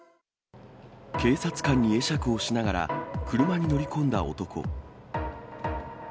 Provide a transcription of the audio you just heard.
警察官に会釈をしながら、車に乗り込んだ男。